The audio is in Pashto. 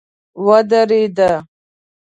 ودريد.